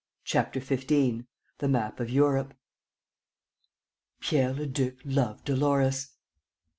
CHAPTER XV THE MAP OF EUROPE Pierre Leduc loved Dolores!